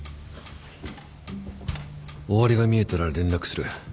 終わりが見えたら連絡する。